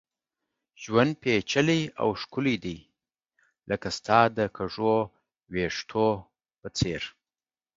ژوند پېچلی او ښکلی دی ، لکه ستا د کږو ويښتو په څېر